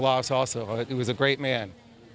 ก็ก็เป็นคนเยอะมาก